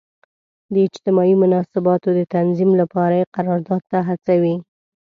د اجتماعي مناسباتو د تنظیم لپاره یې قرارداد ته هڅوي.